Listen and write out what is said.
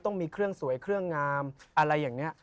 ต้องมีเครื่องสวยเครื่องงามอะไรอย่างนี้